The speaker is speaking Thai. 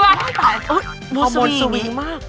โอ้ยตายแล้วค่ะฮอร์โมนสวีงมาก